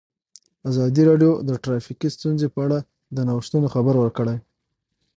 ازادي راډیو د ټرافیکي ستونزې په اړه د نوښتونو خبر ورکړی.